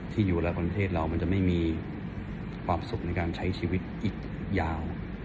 ที่อยู่แล้วประเทศเรามันจะไม่มีความสุขในการใช้ชีวิตอีกยาว